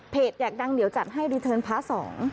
เพจแห่งดังเหลี่ยวจัดให้รีเทิร์นพระสอง